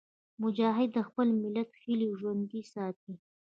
مجاهد د خپل ملت هیلې ژوندي ساتي.